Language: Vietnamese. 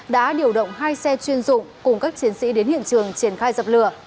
đã điều động hai xe chuyên dụng cùng các chiến sĩ đến hiện trường triển khai dập lửa